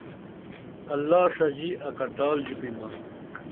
اللہ ݜژی اکٹال ژوپیمہ